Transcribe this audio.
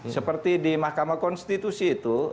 seperti di mahkamah konstitusi itu